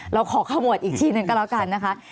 เราขอขมวดอีกที่หนึ่งก็แล้วกันนะคะ